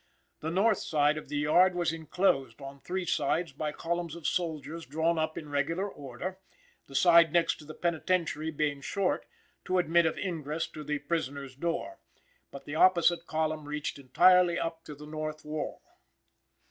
The north side of the yard was enclosed on three sides by columns of soldiers drawn up in regular order, the side next to the penitentiary being short to admit of ingress to the prisoner's door; but the opposite column reached entirely up to the north wall.